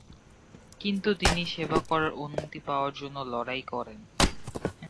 কিন্তু তিনি সেবা করার অনুমতি পাওয়ার জন্য লড়াই করেন।